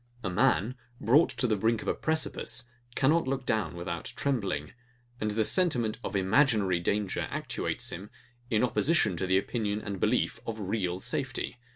A man, brought to the brink of a precipice, cannot look down without trembling; and the sentiment of IMAGINARY danger actuates him, in opposition to the opinion and belief of REAL safety.